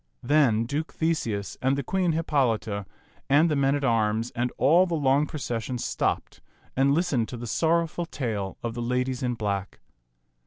Then Duke Theseus and the Queen Hippolita and the men at arms and all the long procession stopped and listened to the sorrowful tale of the ladies in black.